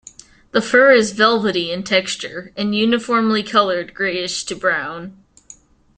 The fur is velvety in texture, and uniformly colored greyish to brown.